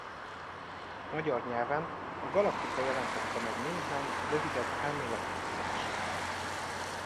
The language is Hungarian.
Magyar nyelven a Galaktika jelentette meg néhány rövidebb elméleti írását.